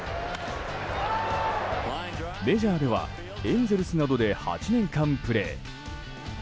メジャーではエンゼルスなどで８年間プレー。